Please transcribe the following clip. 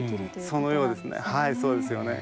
そのようですね。